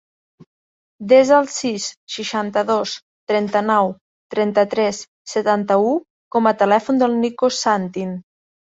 Desa el sis, seixanta-dos, trenta-nou, trenta-tres, setanta-u com a telèfon del Nico Santin.